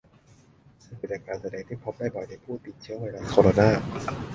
ซึ่งเป็นอาการแสดงที่พบได้บ่อยในผู้ติดเชื้อไวรัสโคโรนา